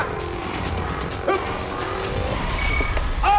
แพงกว่า